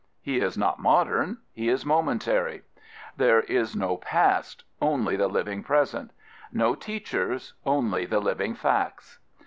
He is not modern: he is momentary. There is no past: only the living present; no teachers: only the living facts.